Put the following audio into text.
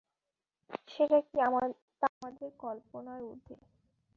সেটা কী, তা আমার কল্পনার উর্ধ্বে।